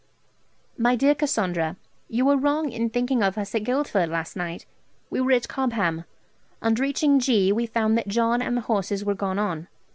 'MY DEAR CASSANDRA, 'You were wrong in thinking of us at Guildford last night: we were at Cobham. On reaching G. we found that John and the horses were gone on.